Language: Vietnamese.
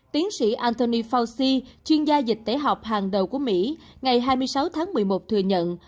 tiến sĩ antony fauci chuyên gia dịch tễ học hàng đầu của mỹ ngày hai mươi sáu tháng một mươi một thừa nhận